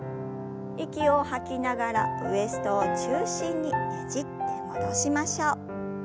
息を吐きながらウエストを中心にねじって戻しましょう。